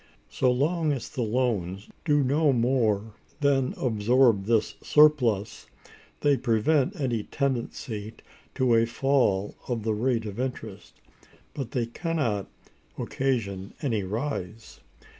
So long as the loans do no more than absorb this surplus, they prevent any tendency to a fall of the rate of interest, but they can not occasion any rise.